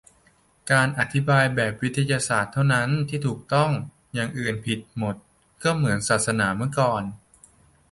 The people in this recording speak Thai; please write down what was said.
'การอธิบายแบบวิทยาศาสตร์เท่านั้นที่ถูกต้อง' อย่างอื่นผิดหมด ก็เหมือนศาสนาเมื่อก่อน